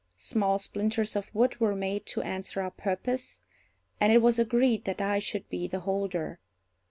Small splinters of wood were made to answer our purpose, and it was agreed that I should be the holder.